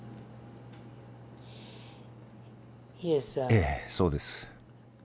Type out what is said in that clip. ええそうです。